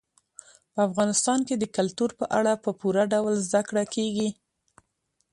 په افغانستان کې د کلتور په اړه په پوره ډول زده کړه کېږي.